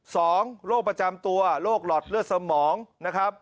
โรคประจำตัวโรคหลอดเลือดสมองนะครับ